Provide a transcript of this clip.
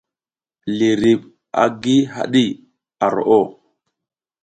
Liriɓ a gi haɗi ar roʼo.